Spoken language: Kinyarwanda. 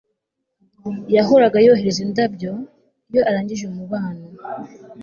yahoraga yohereza indabyo iyo arangije umubano